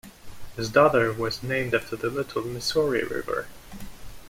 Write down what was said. His daughter was named after the Little Missouri River.